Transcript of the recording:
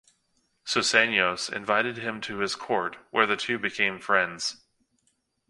Susenyos invited him to his court, where the two became friends.